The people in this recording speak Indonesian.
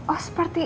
oh seperti itu